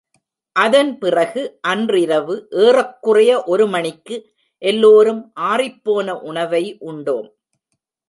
அதன் பிறகு அன்றிரவு ஏறக்குறைய ஒரு மணிக்கு எல்லோரும் ஆறிப்போன உணவை உண்டோம்.